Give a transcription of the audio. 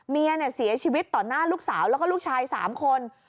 เมียเสียชีวิตต่อหน้าลูกสาวแล้วก็ลูกชาย๓คน